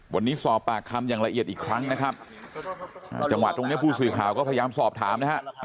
วันนี้สอบปากคำอย่างละเอียดอีกครั้งนะครับจังหวะตรงนี้ผู้สื่อข่าวก็พยายามสอบถามนะฮะ